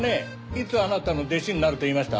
いつあなたの弟子になると言いました？